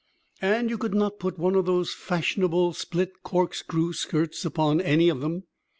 "And you could not put one of these fashionable split corkscrew skirts upon any of them.